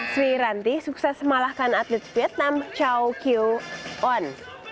sri ranti sukses malahkan atlet vietnam chow kieu on